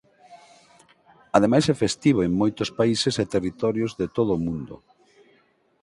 Ademais é festivo en moitos países e territorios de todo o mundo.